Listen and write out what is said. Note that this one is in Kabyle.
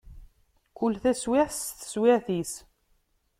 Kul taswiɛt s teswiɛt-is.